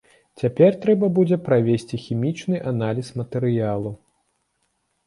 Цяпер трэба будзе правесці хімічны аналіз матэрыялу.